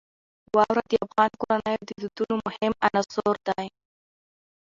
واوره د افغان کورنیو د دودونو مهم عنصر دی.